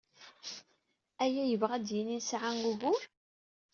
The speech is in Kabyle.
Aya yebɣa ad d-yini nesɛa ugur?